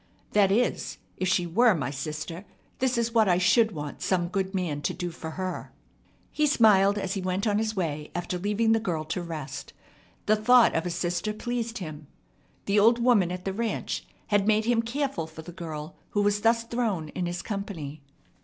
That is, if she were my sister, this is what I should want some good man to do for her." He smiled as he went on his way after leaving the girl to rest. The thought of a sister pleased him. The old woman at the ranch had made him careful for the girl who was thus thrown in his company.